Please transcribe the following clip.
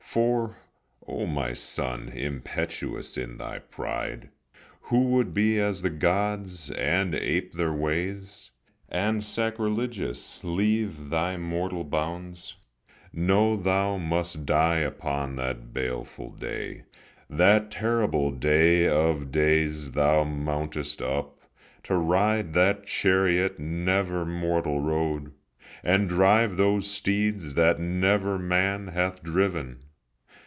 For, O my son, impetuous in thy pride, Who would be as the gods and ape their ways, And sacrilegious leave thy mortal bounds, Know thou must die upon that baleful day, That terrible day of days thou mountest up To ride that chariot never mortal rode, And drive those steeds that never man hath driven.